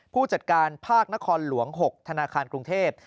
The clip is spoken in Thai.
ผู้จัดการภาคนครหลวง๖ธนาคารกรุงเทพ